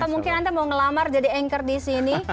atau mungkin nanti mau ngelamar jadi anchor disini